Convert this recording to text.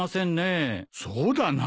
そうだな。